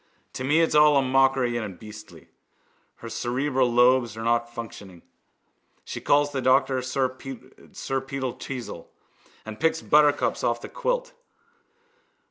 To me it's all a mockery and beastly. Her cerebral lobes are not functioning. She calls the doctor sir Peter Teazle and picks buttercups off the quilt.